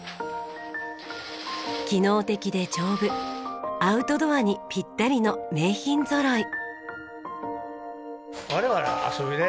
機能的で丈夫アウトドアにピッタリの名品ぞろい。